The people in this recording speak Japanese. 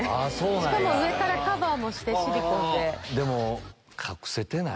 しかも上からカバーもしてシリコンで。